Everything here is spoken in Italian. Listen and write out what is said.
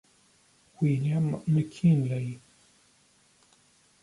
William McKinley.